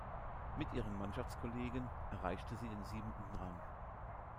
Mit ihren Mannschaftskollegen erreichte sie den siebenten Rang.